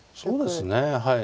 そうですねはい。